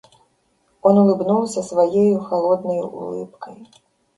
Он улыбнулся своею холодною улыбкой.